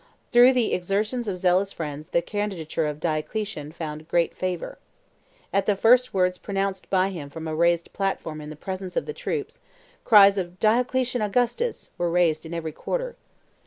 Through the exertions of zealous friends the candidature of Diocletian found great favor. At the first words pronounced by him from a raised platform in the presence of the troops, cries of "Diocletian Augustus "were raised in every quarter.